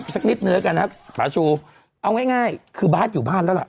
สักนิดเนื้อกันนะครับประสูรเอาง่ายง่ายคือบ๊าชอยู่บ้านแล้วล่ะ